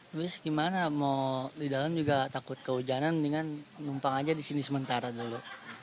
habis gimana mau di dalam juga takut kehujanan mendingan numpang aja di sini sementara dulu